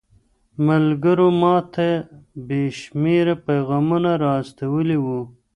ملګرو ماته بې شمېره پيغامونه را استولي وو.